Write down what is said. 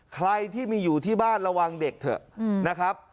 ใครที่มีอยู่ที่บ้านระวังเด็กเถอะนะครับ